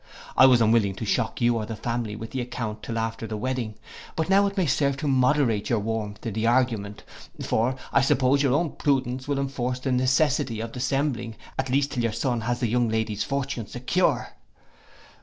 I was unwilling to shock you or the family with the account till after the wedding: but now it may serve to moderate your warmth in the argument; for, I suppose, your own prudence will enforce the necessity of dissembling at least till your son has the young lady's fortune secure.